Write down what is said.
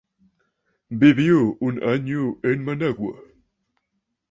Vivió un año en Managua.